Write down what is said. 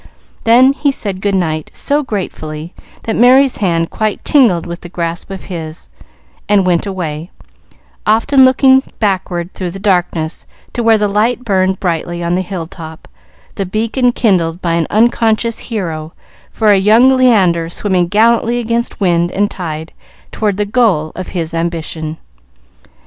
Then he said good night so gratefully that Merry's hand quite tingled with the grasp of his, and went away, often looking backward through the darkness to where the light burned brightly on the hill top the beacon kindled by an unconscious Hero for a young Leander swimming gallantly against wind and tide toward the goal of his ambition.